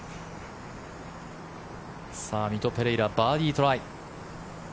さあ、ミト・ペレイラバーディートライ。